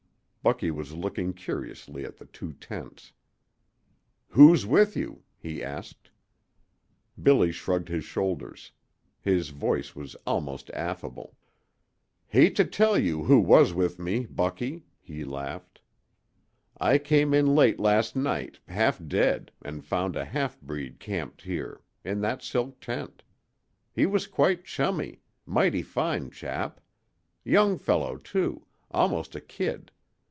Bucky was looking curiously at the two tents. "Who's with you?" he asked. Billy shrugged his shoulders. His voice was almost affable. "Hate to tell you who was with me, Bucky," he laughed, "I came in late last night, half dead, and found a half breed camped here in that silk tent. He was quite chummy mighty fine chap. Young fellow, too almost a kid.